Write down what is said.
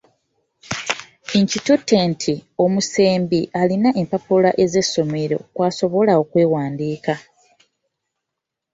Nkitutte nti omusembi alina empappula z'essomero kw'asobola okuwandiika.